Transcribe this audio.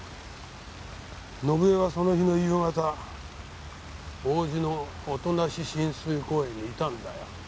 伸枝はその日の夕方王子の音無親水公園にいたんだよ。